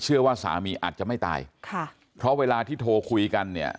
เชื่อว่าสามีอาจจะไม่ตายค่ะเพราะเวลาที่โทรคุยกันเนี่ย